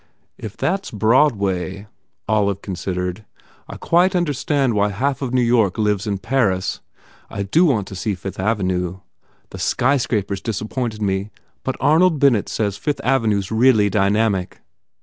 "If that s Broadway," Olive considered, "I quite understand why half of New York lives in Paris. I do want to see Fifth Avenue. The sky scrapers disappointed me but Arnold Bennett says Fifth Avenue s really dynamic."